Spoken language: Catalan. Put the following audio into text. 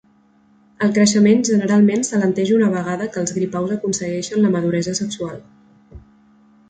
El creixement generalment s'alenteix una vegada que els gripaus aconsegueixen la maduresa sexual.